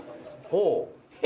ほう！